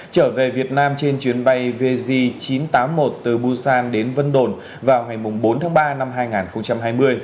trở về việt nam trên chuyến bay vg chín trăm tám mươi một từ busan đến vân đồn vào ngày bốn tháng ba năm hai nghìn hai mươi